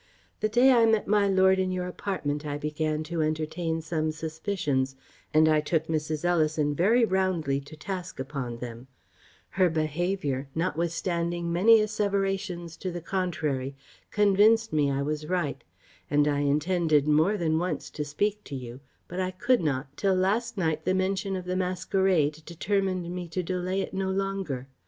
The day I met my lord in your apartment I began to entertain some suspicions, and I took Mrs. Ellison very roundly to task upon them; her behaviour, notwithstanding many asseverations to the contrary, convinced me I was right; and I intended, more than once, to speak to you, but could not; till last night the mention of the masquerade determined me to delay it no longer.